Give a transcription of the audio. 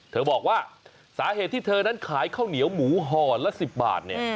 บอกว่าสาเหตุที่เธอนั้นขายข้าวเหนียวหมูห่อละ๑๐บาทเนี่ย